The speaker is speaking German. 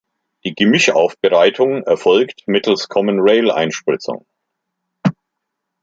Die Gemischaufbereitung erfolgt mittels Common-Rail-Einspritzung.